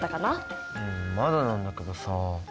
うんまだなんだけどさ。